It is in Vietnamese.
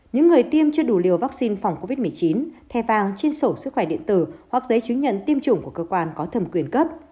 những người tiêm chưa đủ liều vaccine phòng covid một mươi chín thẻ vàng trên sổ sức khỏe điện tử hoặc giấy chứng nhận tiêm chủng của cơ quan có thẩm quyền cấp